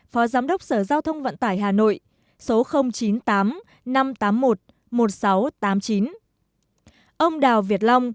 phó giám đốc sở giao thông vận tải hà nội số chín mươi tám năm trăm tám mươi một một nghìn sáu trăm tám mươi chín ông đào việt long